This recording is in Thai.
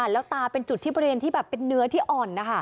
แล้วตาเป็นจุดที่บริเวณที่แบบเป็นเนื้อที่อ่อนนะคะ